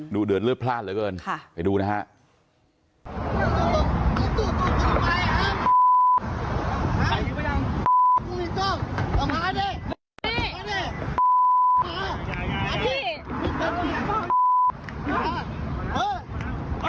เดือดเลือดพลาดเหลือเกินไปดูนะฮะ